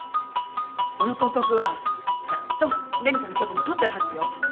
この広告はちゃんと麗美さんの許可も取ってるはずよ。